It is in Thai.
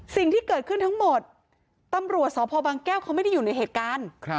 สิ่งที่เกิดขึ้นทั้งหมดตำรวจสพบางแก้วเขาไม่ได้อยู่ในเหตุการณ์